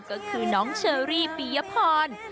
ก็คือน้องเชอรี่ปียพร